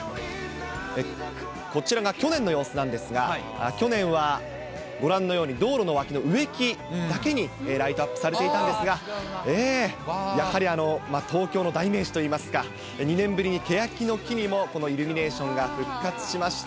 こちらが去年の様子なんですが、去年はご覧のように、道路の脇の植木だけにライトアップされていたんですが、やはり東京の代名詞といいますか、２年ぶりにケヤキの木にもこのイルミネーションが復活しました。